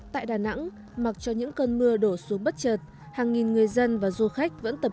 tại đà nẵng mặc cho những cơn mưa đổ xuống bất chợt hàng nghìn người dân và du khách vẫn tập